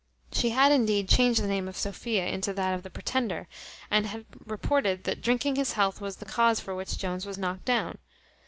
She had, indeed, changed the name of Sophia into that of the Pretender, and had reported, that drinking his health was the cause for which Jones was knocked down.